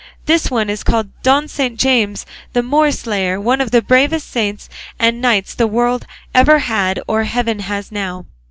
This one is called Don Saint James the Moorslayer, one of the bravest saints and knights the world ever had or heaven has now."